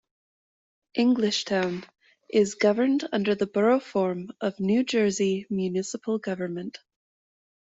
Englishtown is governed under the Borough form of New Jersey municipal government.